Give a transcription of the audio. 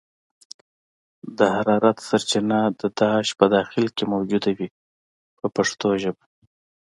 د حرارت سرچینه د داش په داخل کې موجوده وي په پښتو ژبه.